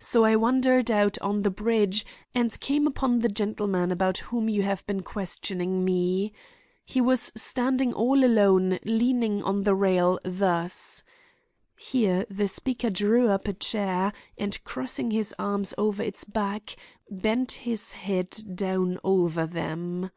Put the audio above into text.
So I wandered out on the bridge, and came upon the gentleman about whom you have been questioning me. He was standing all alone leaning on the rail thus." Here the speaker drew up a chair, and, crossing his arms over its back, bent his head down over them.